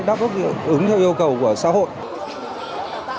đáp ứng theo yêu cầu của xã hội